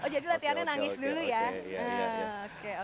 jadi latihannya nangis dulu ya